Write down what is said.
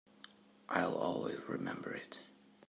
I'll always remember it.